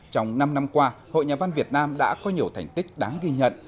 trong năm năm qua hội nhà văn việt nam đã có nhiều thành tích đáng ghi nhận